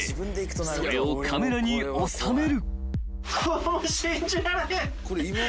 ［それをカメラに収める］